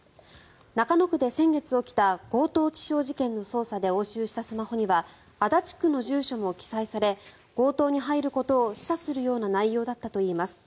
中野区で先月起きた強盗致傷事件の捜査で押収したスマホには足立区の住所も記載され強盗に入ることを示唆する内容だったといいます。